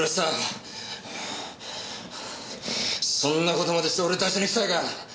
そんな事までして俺出し抜きたいか？